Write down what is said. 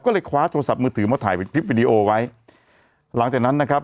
ก็เลยคว้าโทรศัพท์มือถือมาถ่ายเป็นคลิปวิดีโอไว้หลังจากนั้นนะครับ